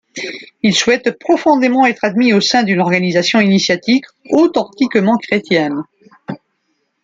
Il souhaite profondément être admis au sein d'une organisation initiatique authentiquement chrétienne.